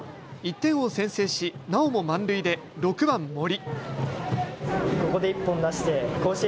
１点を先制しなおも満塁で６番・森。